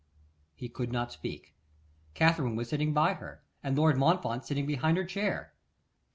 He could not speak. Katherine was sitting by her, and Lord Montfort standing behind her chair.